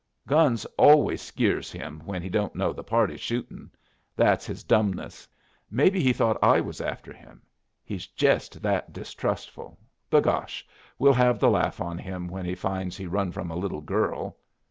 "Guns always skeers him when he don't know the parties shootin'. That's his dumbness. Maybe he thought I was after him; he's jest that distrustful. Begosh! we'll have the laugh on him when he finds he run from a little girl."